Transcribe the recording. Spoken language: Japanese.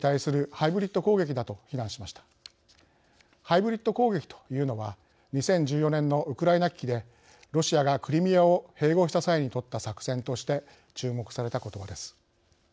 ハイブリッド攻撃というのは２０１４年のウクライナ危機でロシアがクリミアを併合した際にとった作戦として注目された言葉です。